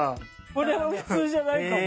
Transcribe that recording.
これは普通じゃないかも。